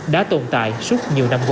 đã tồn tại suốt nhiều năm qua